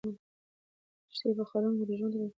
لښتې په خالونو د ژوند تریخوالی لیدلی و.